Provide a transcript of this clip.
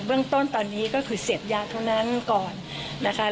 เรื่องต้นตอนนี้ก็คือเสพยาเท่านั้นก่อนนะคะ